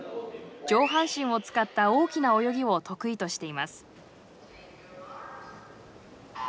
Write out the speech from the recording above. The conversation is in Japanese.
上半身を使った大きな泳ぎを得意としています。